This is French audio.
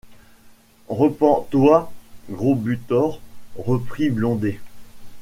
Repens-toi, gros butor, reprit Blondet.